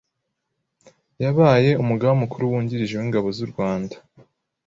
yabaye Umugaba Mukuru Wungirije w’Ingabo z’u Rwanda,